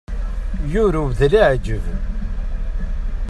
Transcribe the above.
Yurew-d leɛǧeb.